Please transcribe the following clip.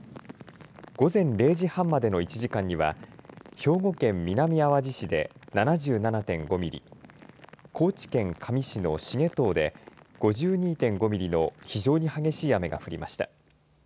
午前０時半までの１時間には兵庫県南あわじ市で７７．５ミリ高知県香美市の繁藤で５２．５ミリの非常に激しい雨が降りました。